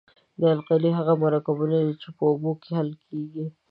القلي هغه مرکبونه دي چې په اوبو کې حل کیږي.